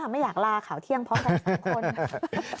ไม่อยากลาข่าวเที่ยงพร้อมกันสองคน